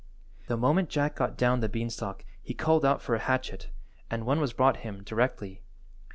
The moment Jack got down the beanstalk he called out for a hatchet, and one was brought him directly.